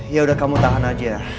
yaudah kamu tahan aja